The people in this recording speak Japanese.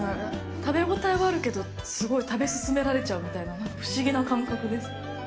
食べ応えはあるけどすごい食べ進められちゃうみたいな不思議な感覚です。